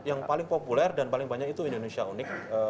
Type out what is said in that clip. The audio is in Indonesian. yang paling populer dan paling banyak itu indonesia unik